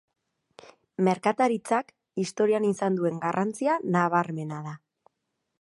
Merkataritzak historian izan duen garrantzia nabarmena da.